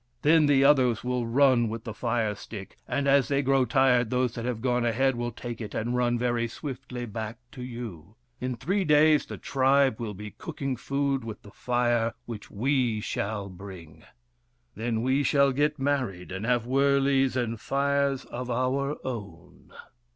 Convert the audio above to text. Then the others will run with the fire stick, and as they grow tired those that have gone ahead will take it and run very swiftly back to you. In three days the tribe will be cooking food with the fire which we shall bring. Then we shall get married and have wurleys and fires of our own."